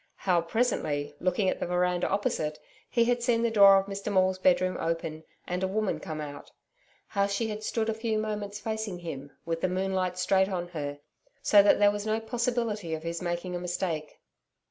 How, presently, looking at the veranda opposite, he had seen the door of Mr Maule's bedroom open, and a woman come out, how she had stood a few moments facing him, with the moonlight straight on her, so that there was no possibility of his making a mistake.